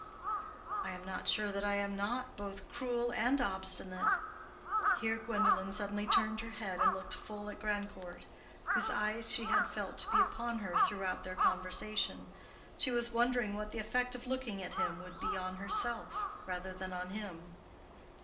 "I am not sure that I am not both cruel and obstinate." Here Gwendolen suddenly turned her head and looked full at Grandcourt, whose eyes she had felt to be upon her throughout their conversation. She was wondering what the effect of looking at him would be on herself rather than on him.